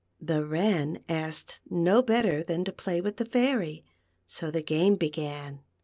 The Wren asked no better than to play with the Fairy ; so the game began.